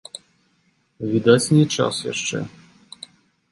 Відаць, не час яшчэ.